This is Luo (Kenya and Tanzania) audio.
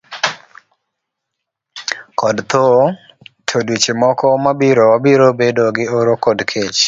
kod tho, to dweche moko mabiro wabiro bedo gi oro kod kech.